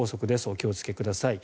お気をつけください。